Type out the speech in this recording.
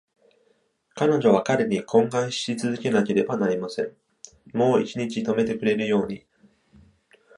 彼女は彼に懇願し続けなければなりません。もう一日留めてくれるように。